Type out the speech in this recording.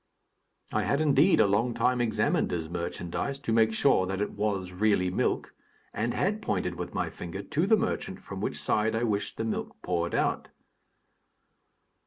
I had indeed a long time examined his merchandise, to make sure that it was really milk, and had pointed with my finger, to the merchant, from which side I wished the milk poured out.